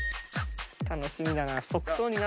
楽しみだな。